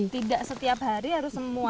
tidak setiap hari harus semuanya diambil